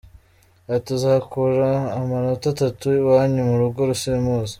Ati: ”Uzakura amanota atatu iwanjye mu rugo simuzi.